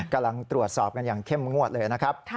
กำลังตรวจสอบกันอย่างเข้มงวดเลยนะครับ